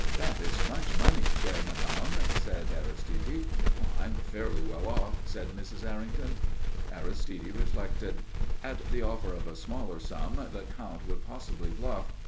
"That is much money, chère madame," said Aristide. "I am fairly well off," said Mrs. Errington. Aristide reflected. At the offer of a smaller sum the Count would possibly bluff.